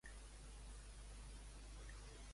Les plafolles de les pipes no és llancen al carrer